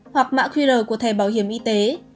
hoặc mã qr của thẻ bảo hiểm y tế